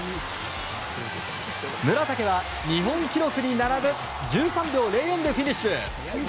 村竹は日本記録に並ぶ１３秒０４でフィニッシュ。